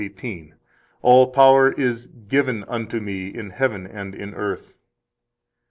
28:18: All power is given unto Me in heaven and in earth.